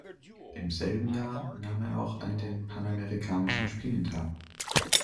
Im selben Jahr nahm er auch an den Panamerikanischen Spielen teil.